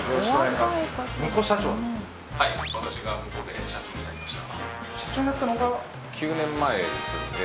はい私がムコで社長になりました